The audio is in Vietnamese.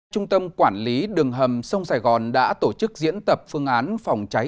trung tâm quản lý đường hầm sông sài gòn đã tổ chức diễn tập phương án phòng cháy